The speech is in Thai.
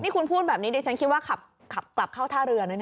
คุณพูดแบบนี้ดิฉันคิดว่าขับกลับเข้าท่าเรือนะ